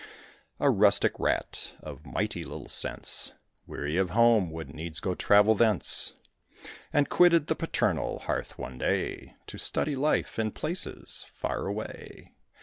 A Rustic Rat, of mighty little sense, Weary of home, would needs go travel thence; And quitted the paternal hearth, one day, To study life in places far away.